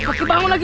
pak kibangun lagi